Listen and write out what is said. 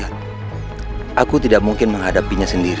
amat memunyai kekuatan yang indah